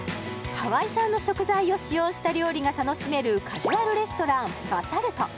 ハワイ産の食材を使用した料理が楽しめるカジュアルレストランＢＡＳＡＬＴ